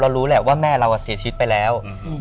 รู้แหละว่าแม่เราเสียชีวิตไปแล้ว